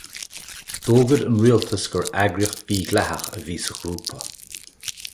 D'fhógair an Rialtas gur eagraíocht mhídhleathach a bhí sa ghrúpa.